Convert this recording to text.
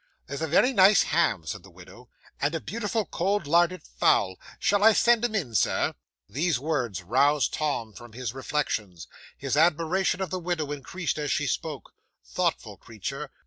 '"There's a very nice ham," said the widow, "and a beautiful cold larded fowl. Shall I send 'em in, Sir?" 'These words roused Tom from his reflections. His admiration of the widow increased as she spoke. Thoughtful creature!